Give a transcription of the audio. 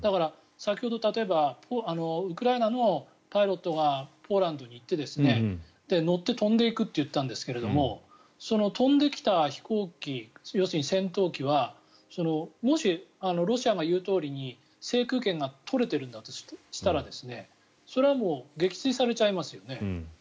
先ほど、例えばウクライナのパイロットがポーランドに行って乗って飛んでいくって言っていたんですけどその飛んできた飛行機要するに戦闘機はもし、ロシアが言うとおりに制空権が取れているんだとしたらそれは撃墜されちゃいますよね。